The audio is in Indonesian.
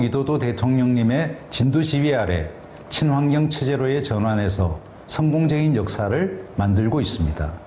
terima kasih